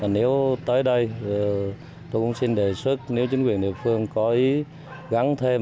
nếu tới đây tôi cũng xin đề xuất nếu chính quyền địa phương có gắn thêm